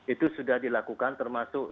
itu sudah dilakukan termasuk